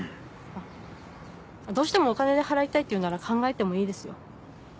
どうしてもお金で払いたいっていうなら考えてもいいですよ